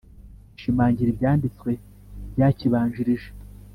ishimangira ibyanditswe byakibanjirije